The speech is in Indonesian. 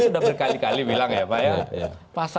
sudah berkali kali bilang ya pak ya